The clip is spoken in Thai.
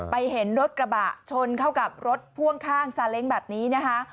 เห็นรถกระบะชนเข้ากับรถพ่วงข้างซาเล้งแบบนี้นะคะ